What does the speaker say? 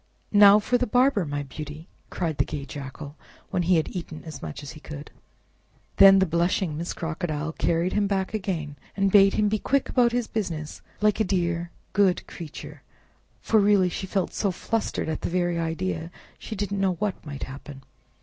"Now for the barber, my beauty!" cried the gay Jackal, when he had eaten as much as he could. Then the blushing Miss Crocodile carried him back again, and bade him be quick about his business, like a dear good creature, for really she felt so flustered at the very idea that she didn't know what might happen.